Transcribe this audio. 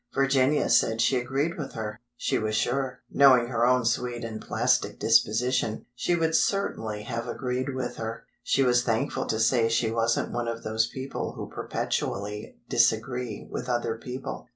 Virginia said she agreed with her, she was sure; knowing her own sweet and plastic disposition, she would certainly have agreed with her; she was thankful to say she wasn't one of those people who perpetually disagree with other people.